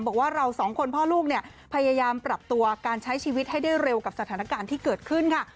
บอกว่าเราสองคนพ่อลูกเนี่ยพยายามปรับตัวการใช้ชีวิตให้ได้เร็วกับสถานการณ์ที่เกิดขึ้นค่ะ